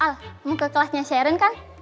al mau ke kelasnya sharein kan